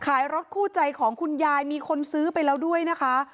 รถคู่ใจของคุณยายมีคนซื้อไปแล้วด้วยนะคะ